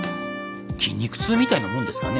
筋肉痛みたいなもんですかね？